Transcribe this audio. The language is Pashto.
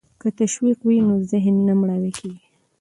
که تشویق وي نو ذهن نه مړاوی کیږي.